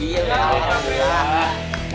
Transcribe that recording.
iya beneran sebenarnya